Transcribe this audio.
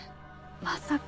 まさか。